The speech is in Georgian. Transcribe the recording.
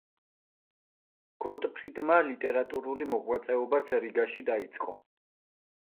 გოტფრიდმა ლიტერატურული მოღვაწეობაც რიგაში დაიწყო.